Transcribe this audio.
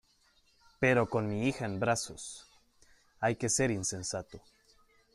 pero con mi hija en brazos. hay que ser insensato